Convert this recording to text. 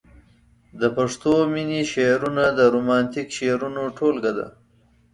د پښتو مينې شعرونه د رومانتيک شعرونو ټولګه ده.